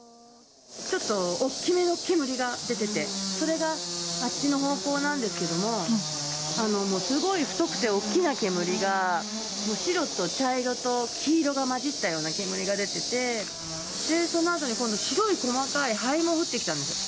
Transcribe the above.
ちょっと大きめの煙が出てて、それがあっちの方向なんですけれども、すごい太くて大きな煙が、白と茶色と黄色が混じったような煙が出てて、そのあとに今度、白い細かい灰も降ってきたんです。